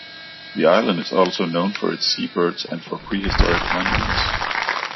The island is also known for its sea birds and for prehistoric monuments.